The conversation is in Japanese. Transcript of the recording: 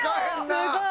すごい。